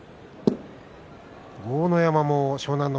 豪ノ山も湘南乃